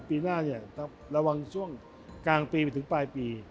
ปีหน้าเนี่ยต้องระวังช่วงกลางปีไปถึงปลายปี